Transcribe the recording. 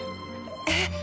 えっ？